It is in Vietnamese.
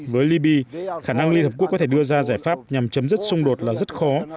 với libya khả năng liên hợp quốc có thể đưa ra giải pháp nhằm chấm dứt xung đột là rất khó